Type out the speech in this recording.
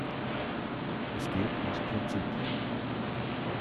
Es geht ums Prinzip.